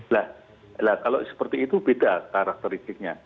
nah kalau seperti itu beda karakteristiknya